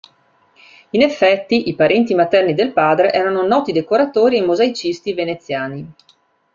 In effetti, i parenti materni del padre erano noti decoratori e mosaicisti veneziani.